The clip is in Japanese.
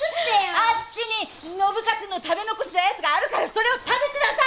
あっちに信勝の食べ残したやつがあるからそれを食べてなさい！